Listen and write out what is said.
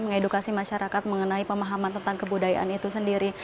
mengedukasi masyarakat mengenai pemahaman tentang kebudayaan itu sendiri